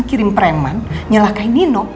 kirim preman nyelakai nino